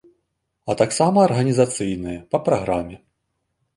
А таксама арганізацыйныя па праграме.